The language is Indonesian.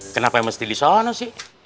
kenapa yang mesti disana sih